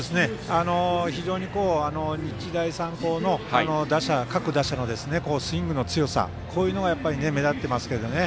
非常に日大三高の各打者のスイングの強さが目立っていますね。